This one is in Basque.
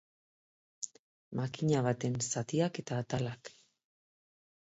Makina baten zatiak eta atalak.